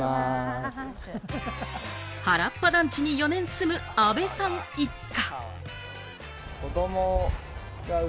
ハラッパ団地に４年住む安部さん一家。